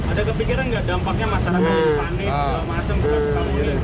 ada kepikiran nggak dampaknya masyarakat yang panik